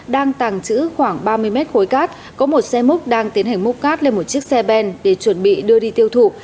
đang tàng trữ khoảng ba mươi mét khối cát có một xe múc đang tiến hành múc cát lên một chiếc xe ben để chuẩn bị đưa đi tiêu thụ